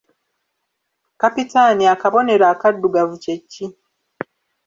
Kapitaani akabonero akaddugavu kye ki?